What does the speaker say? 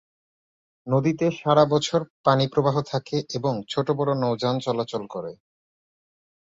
নদীতে সারাবছর পানিপ্রবাহ থাকে এবং ছোটবড় নৌযান চলাচল করে।